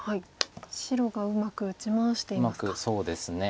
白がうまく打ち回していますか。